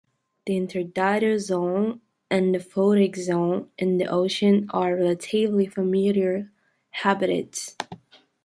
The intertidal zone and the photic zone in the oceans are relatively familiar habitats.